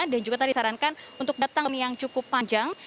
dan juga tadi disarankan untuk datang yang cukup panjang